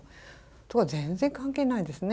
ところが全然関係ないですね。